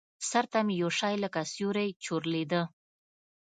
سر ته مې يو شى لکه سيورى چورلېده.